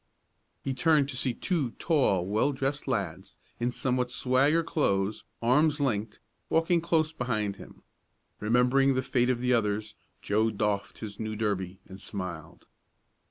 He turned to see two tall, well dressed lads, in somewhat "swagger" clothes, arms linked, walking close behind him. Remembering the fate of the others, Joe doffed his new derby, and smiled.